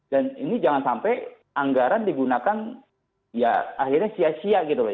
dan ini jangan sampai anggaran digunakan ya akhirnya sia sia gitu loh